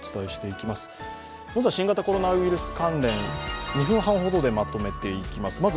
まずは新型コロナウイルス関連、２分半ほどでまとめていきます。